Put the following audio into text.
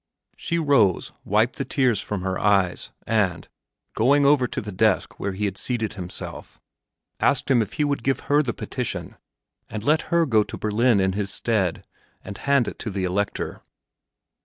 She rose, wiped the tears from her eyes, and, going over to the desk where he had seated himself, asked him if he would give her the petition and let her go to Berlin in his stead and hand it to the Elector.